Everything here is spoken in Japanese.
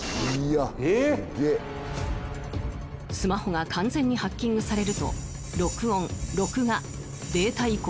スマホが完全にハッキングされると録音録画データ移行